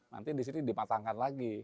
nanti di sini dimatangkan lagi